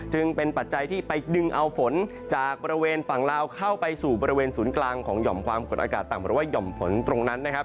จึงเป็นปัจจัยที่ไปดึงเอาฝนจากบริเวณฝั่งลาวเข้าไปสู่บริเวณศูนย์กลางของหย่อมความกดอากาศต่ำหรือว่าหย่อมฝนตรงนั้นนะครับ